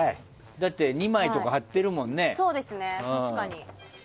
だって、２枚とか貼ってるもんね。